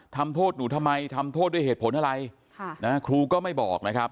ทำโทษหนูทำไมทำโทษด้วยเหตุผลอะไรครูก็ไม่บอกนะครับ